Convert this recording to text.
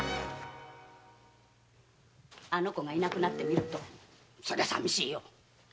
あの子がいなくなってみるとそりゃさみしいよ。